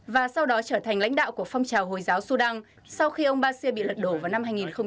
và sau đó trở thành lãnh đạo của phong trào hồi giáo sudan sau khi ông basir bị lật đổ vào năm hai nghìn một mươi